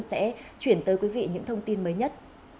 sẽ chuyển tới quý vị những thông tin mới nhất